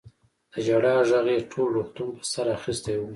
د ژړا غږ يې ټول روغتون په سر اخيستی و.